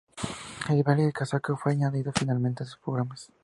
El baile cosaco fue añadido finalmente a sus programas.